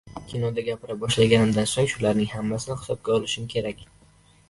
Kinoda gapira boshlaganimdan so‘ng, shularning hammasini hisobga olishim kerak edi.